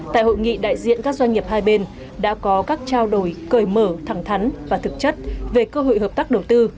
tại hội nghị đại diện các doanh nghiệp hai bên đã có các trao đổi cởi mở thẳng thắn và thực chất về cơ hội hợp tác đầu tư